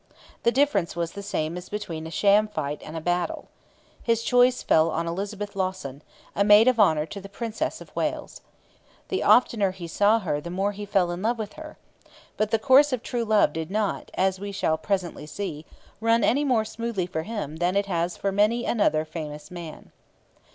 The difference was the same as between a sham fight and a battle. His choice fell on Elizabeth Lawson, a maid of honour to the Princess of Wales. The oftener he saw her the more he fell in love with her. But the course of true love did not, as we shall presently see, run any more smoothly for him than it has for many another famous man.